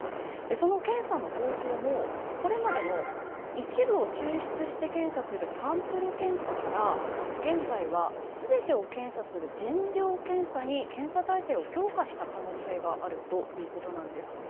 その検査の方法も、これまでの一部を抽出して検査するサンプル検査から現在は全てを検査する全量検査に検査体制を強化した可能性があるということなんです。